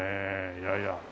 いやいや。